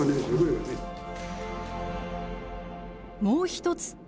もう一つ